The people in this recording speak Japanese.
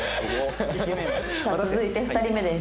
「さあ続いて２人目です。